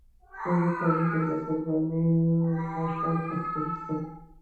څنګه کولی شم د قرباني غوښه تقسیم کړم